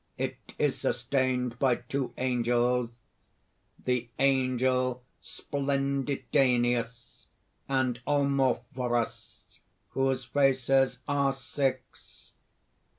It is sustained by two angels the Angel Splenditeneus, and Omophorus, whose faces are six.